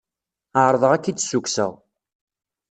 Ɛerḍeɣ ad k-id-ssukkseɣ.